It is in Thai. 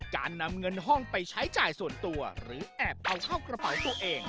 การนำเงินห้องไปใช้จ่ายส่วนตัวหรือแอบเอาเข้ากระเป๋าตัวเอง